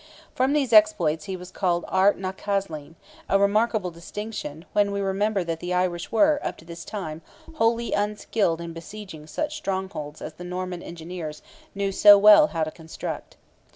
From these exploits he was called Art na Caislean, a remarkable distinction, when we remember that the Irish were, up to this time, wholly unskilled in besieging such strongholds as the Norman engineers knew so well how to construct.